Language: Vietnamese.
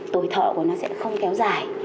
tuổi thợ của nó sẽ không kéo dài